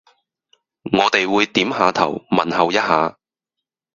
我哋會點吓頭問候一吓